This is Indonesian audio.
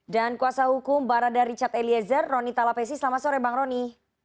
dan kuasa hukum barada richard eliezer roni talapesi selamat sore bang roni